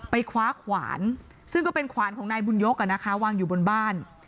คว้าขวานซึ่งก็เป็นขวานของนายบุญยกวางอยู่บนบ้าน